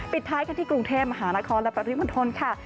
ท้ายกันที่กรุงเทพมหานครและปริมณฑลค่ะ